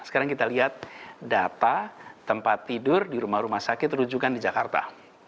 sekarang kita lihat data tempat tidur di rumah rumah sakit rujukan di jakarta